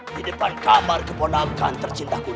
di depan kamar keponakan tercintaku